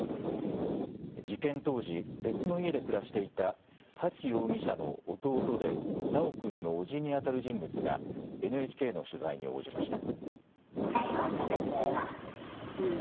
事件当時、別の家で暮らしていた沙喜容疑者の弟で修君の叔父にあたる人物がＮＨＫの取材に応じました。